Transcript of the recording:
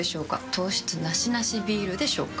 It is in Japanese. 糖質ナシナシビールでしょうか？